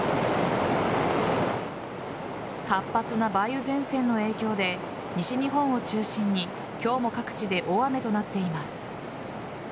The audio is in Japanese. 活発な梅雨前線の影響で西日本を中心に今日も各地で大雨となっています。